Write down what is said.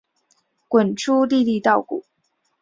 滚出粒粒稻谷